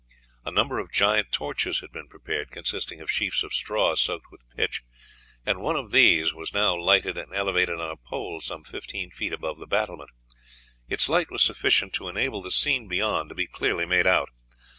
A number of giant torches had been prepared, consisting of sheafs of straw soaked with pitch, and one of these was now lighted and elevated on a pole some fifteen feet above the battlement. Its light was sufficient to enable the scene beyond to be clearly made out.